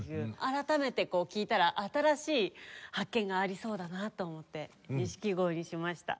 改めて聴いたら新しい発見がありそうだなと思って錦鯉にしました。